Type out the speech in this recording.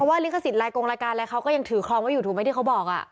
ลิขสิทธิรายกงรายการอะไรเขาก็ยังถือคลองไว้อยู่ถูกไหมที่เขาบอก